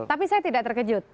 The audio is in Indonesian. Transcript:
tapi saya tidak terkejut